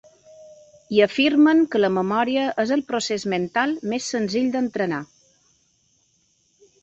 I afirmen que la memòria és el procés mental més senzill d’entrenar.